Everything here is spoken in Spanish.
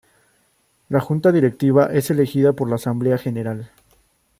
La Junta Directiva es elegida por la Asamblea General.